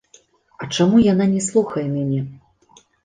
А чаму яна не слухае мяне?